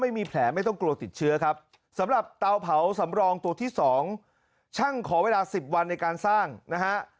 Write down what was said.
ไม่มีแผลไม่ต้องกลัวติดเชื้อครับสำหรับเตาเผาสำรองตัวที่๒ช่างขอเวลา๑๐วันในการสร้างนะฮะ